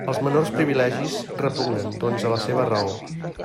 Els menors privilegis repugnen, doncs, a la seva raó.